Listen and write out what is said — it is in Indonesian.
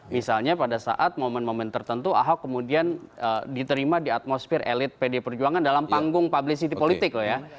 misalnya pada saat momen momen tertentu ahok kemudian diterima di atmosfer elit pd perjuangan dalam panggung publicity politik loh ya